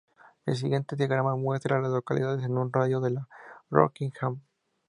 El siguiente diagrama muestra a las localidades en un radio de de Rockingham.